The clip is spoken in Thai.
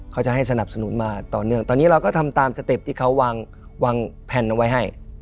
เขาจะให้สนับสนุนมาต่อเนื่องตอนนี้เราก็ทำตามสเต็ปที่เขาวางแผนเอาไว้ให้